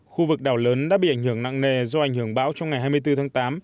khu vực đảo lớn đã bị ảnh hưởng nặng nề do ảnh hưởng bão trong ngày hai mươi bốn tháng tám